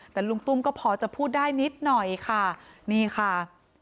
แต่ลุงตุ้มก็พอจะพูดได้นิดหน่อยค่ะนี่ค่ะ